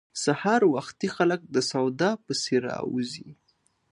سهار وختي خلک د سودا پسې راوزي.